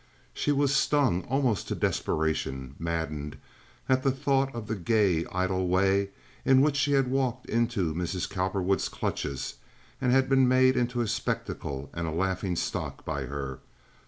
She was stung almost to desperation, maddened, at the thought of the gay, idle way in which she had walked into Mrs. Cowperwood's clutches and been made into a spectacle and a laughing stock by her.